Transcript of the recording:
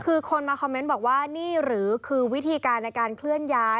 คือคนมาคอมเมนต์บอกว่านี่หรือคือวิธีการในการเคลื่อนย้าย